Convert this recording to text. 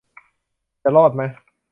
จะรอดมะ